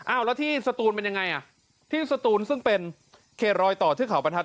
อ้าวแล้วที่สตูนเป็นยังไงอ่ะที่สตูนซึ่งเป็นเขตรอยต่อเทือกเขาบรรทัศ